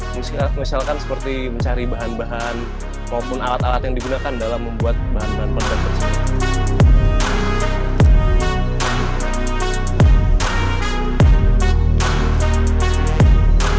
misalkan seperti mencari bahan bahan maupun alat alat yang digunakan dalam membuat bahan bahan peledak tersebut